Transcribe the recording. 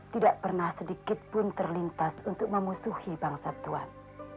tidak pernah sedikitpun terlintas untuk memusuhi bangsa tuhan